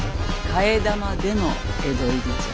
替え玉での江戸入りじゃ。